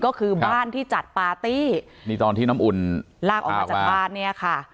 ก็คือบ้านที่จัดปาร์ตี้นี่ตอนที่น้ำอุ่นลากออกมาจากบ้านเนี่ยค่ะ